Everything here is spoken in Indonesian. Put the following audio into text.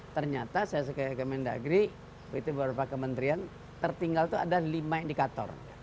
ternyata saya sekali ke mendagri begitu beberapa kementerian tertinggal itu ada lima indikator